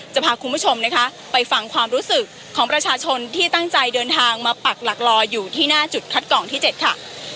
จะพาคุณผู้ชมนะคะไปฟังความรู้สึกของประชาชนที่ตั้งใจเดินทางมาปักหลักรออยู่ที่หน้าจุดคัดกรองที่๗ค่ะ